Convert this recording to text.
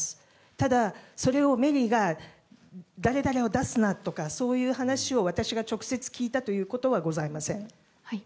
ただ、それをメリーが誰々を出すなとかそういう話を私が直接聞いたということはございません。